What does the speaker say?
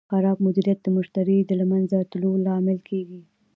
خراب مدیریت د مشتری د له منځه تلو لامل کېږي.